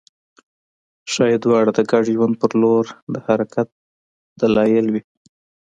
ښايي دواړه د ګډ ژوند په لور د حرکت دلایل وي